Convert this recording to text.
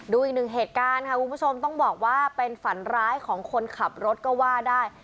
ดูอีกหนึ่งเหตุการณ์ค่ะคุณผู้ชมต้องบอกว่าเป็นฝันร้ายของคนขับรถก็ว่าได้